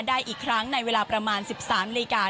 ได้อีกครั้งในเวลาประมาณ๑๓นาฬิกา